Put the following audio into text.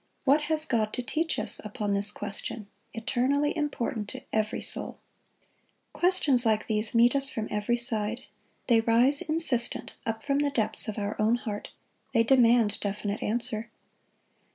What has God to teach us upon this question, eternally important to every soul? Questions like these meet us from every side. They rise insistent up from the depths of our own heart. They demand definite answer.